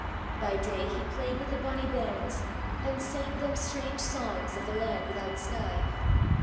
By day he played with the bonny bairns, and sang them strange songs of the land without sky.